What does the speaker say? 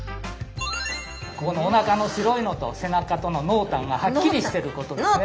おなかの白いのと背中との濃淡がはっきりしてることですね。